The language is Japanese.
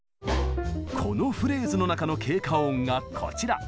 このフレーズの中の「経過音」がこちら。